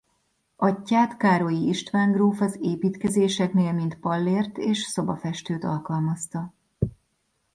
Atyját Károlyi István gróf az építkezéseknél mint pallért és szobafestőt alkalmazta.